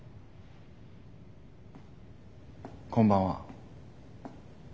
こんばんは。